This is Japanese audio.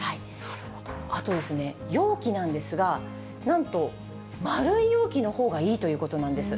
あとですね、容器なんですが、なんと丸い容器のほうがいいということなんです。